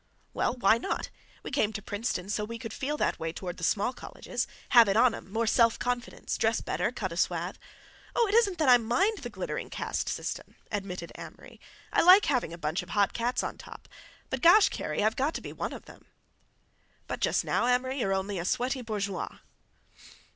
"Well, why not? We came to Princeton so we could feel that way toward the small colleges—have it on 'em, more self confidence, dress better, cut a swathe—" "Oh, it isn't that I mind the glittering caste system," admitted Amory. "I like having a bunch of hot cats on top, but gosh, Kerry, I've got to be one of them." "But just now, Amory, you're only a sweaty bourgeois."